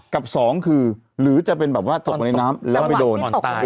กับ๒คือหรือจะเป็นตกใบ้น้ำแล้วไม่โดน